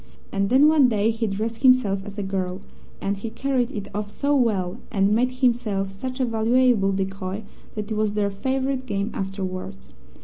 And then one day he dressed himself as a girl, and he carried it off so well, and made himself such a valuable decoy, that it was their favourite game afterwards.